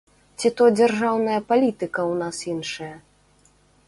Ці то дзяржаўная палітыка ў нас іншая?